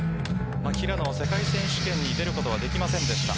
平野は世界選手権に出ることはできませんでした。